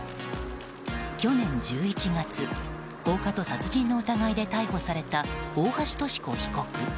去年１１月、放火殺人の疑いで逮捕された大橋とし子被告。